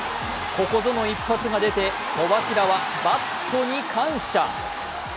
ここぞの一発が出て戸柱はバットに感謝。